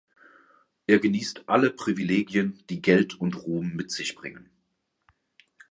Er genießt alle Privilegien, die Geld und Ruhm mit sich bringen.